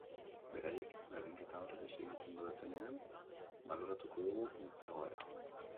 Beraiek berdinketa hori desegiten dutenean, baloratuko dugu egoera.